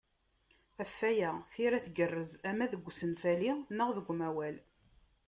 Ɣef waya, tira tgerrez ama deg usenfali neɣ deg umawal.